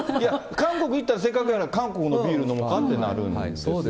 韓国行ったら、せっかくやから韓国のビール飲もうかってなるんです。